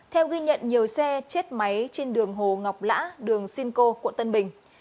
theo ghi nhận nhiều xe chết máy trên đường hồ ngọc lã đường sinh cô quận tân bình